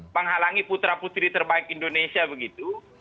menghalangi putra putri terbaik indonesia begitu